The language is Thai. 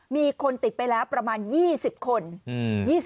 มีคนติดไปแล้วประมาณยี่สิบคนอืม